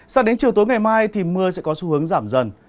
sang đến chiều tối ngày mai thì mưa sẽ có xu hướng giảm dần